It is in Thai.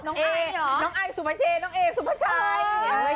น้องไอน้องไอสุภาเชน้องเอสุภาชาย